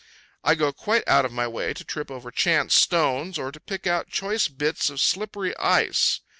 I go quite out of my way to trip over chance stones, or to pick out choice bits of slippery ice.